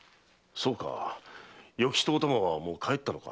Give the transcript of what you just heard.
そうか与吉とお玉はもう帰ったのか。